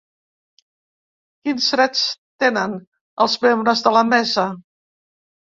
Quins drets tenen els membres de la mesa?